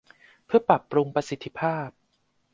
เพื่อปรับปรุงประสิทธิภาพ